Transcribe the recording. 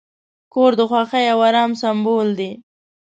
کور د خوښۍ او آرام سمبول دی.